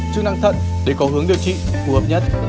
chức năng thận để có hướng điều trị phù hợp nhất